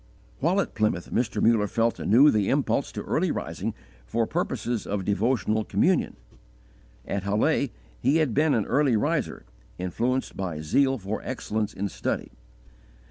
While at Plymouth Mr. Muller felt anew the impulse to early rising for purposes of devotional communion. At Halle he had been an early riser, influenced by zeal for excellence in study.